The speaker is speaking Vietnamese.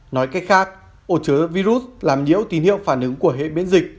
nói cách khác ổ chứa virus làm nhiễu tín hiệu phản ứng của hệ miễn dịch